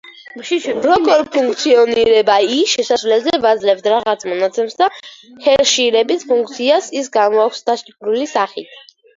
როგორ ფუნქციონირება ის, შესასვლელზე ვაძლევთ რაღაც მონაცემს და ჰეშირების ფუნქციას ის გამოაქვს დაშიფრული სახით.